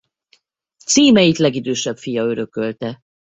Címeit legidősebb fia örökölte.